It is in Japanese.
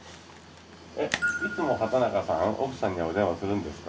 いつも畠中さん奥さんにお電話するんですか？